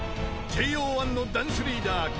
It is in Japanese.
［ＪＯ１のダンスリーダー